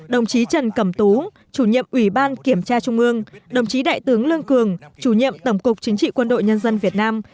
đồng chí trần cẩm tú chủ nhiệm ủy ban kiểm tra trung ương đồng chí đại tướng lương cường chủ nhiệm tổng cục chính trị quân đội nhân dân việt nam